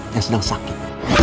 yang sedang sakit